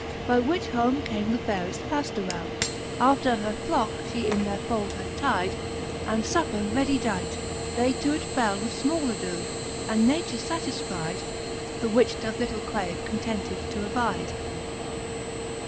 By which home came the fayreft Paftorell^ After her flocke fhe in their fold had tyde ; And fupper readie dight, they to it fell With fmall adoe, and nature fatisfyde, The which doth little crave, contented to abyde.